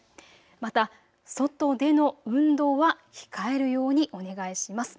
また外での運動は控えるようにお願いします。